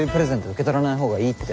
受け取らないほうがいいって。